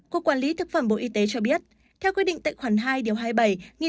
cục quản lý thực phẩm bộ y tế cho biết theo quy định tệ khoản hai hai mươi bảy